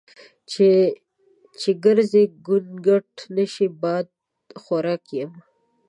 نه چې ګرزي ګونګټ نشي بادخورک یم.